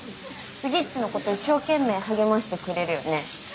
スギッチのこと一生懸命励ましてくれるよね。